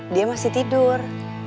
dia masih tidur